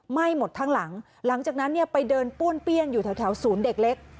ไหม้หมดทั้งหลังหลังจากนั้นเนี่ยไปเดินป้วนเปี้ยนอยู่แถวศูนย์เด็กเล็ก